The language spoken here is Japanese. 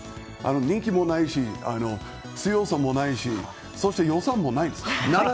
人気もないし、強さもないしそして予算もないですから。